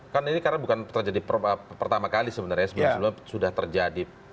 karena ini bukan terjadi pertama kali sebenarnya sebelumnya sudah terjadi